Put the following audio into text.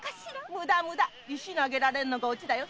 無駄無駄石を投げられるのがオチだよ